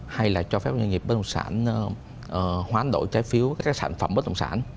hay là cho phép doanh nghiệp bán đồng sản hoán đổi trái phiếu các sản phẩm bán đồng sản